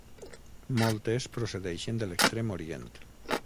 Moltes procedeixen de l'Extrem Orient.